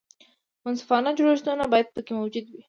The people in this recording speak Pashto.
منصفانه جوړښتونه باید پکې موجود وي.